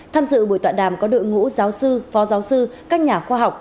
tham dự buổi tọa đàm có đội ngũ giáo sư phó giáo sư các nhà khoa học